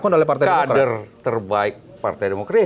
karena kader terbaik partai demokrasi